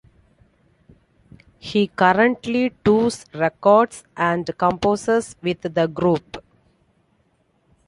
He currently tours, records and composes with the group.